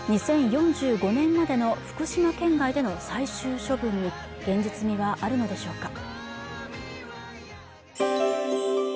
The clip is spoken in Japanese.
２０４５年までの福島県外での最終処分に現実味はあるのでしょうか